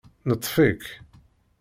Neṭṭef-ik